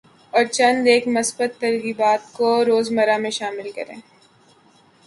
اور چند ایک مثبت ترغیبات کو روزمرہ میں شامل